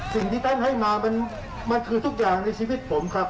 สิ่งที่ท่านให้มามันคือทุกอย่างในชีวิตผมครับ